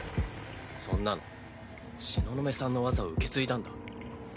そんなの東雲さんの技を受け継いだんだ。